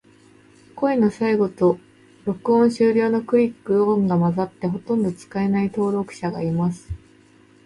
声の最後と、録音終了のクリック音が混ざって、ほとんど使えない登録者がいます。